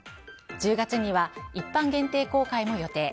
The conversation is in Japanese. １０月には一般限定公開も予定。